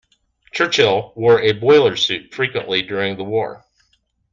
Churchill wore a boiler suit frequently during the war